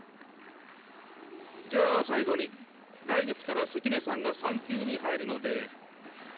じゃあ最後に来月から関根さんが産休に入るので。